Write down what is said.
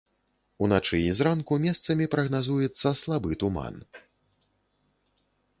Уначы і зранку месцамі прагназуецца слабы туман.